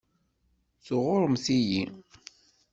Tɣuṛṛemt-iyi.